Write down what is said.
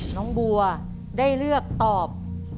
น้องบัวได้เลือกตอบ